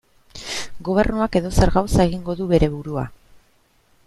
Gobernuak edozer gauza egingo du bere burua.